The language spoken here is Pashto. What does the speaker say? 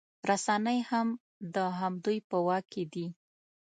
رسنۍ هم د همدوی په واک کې دي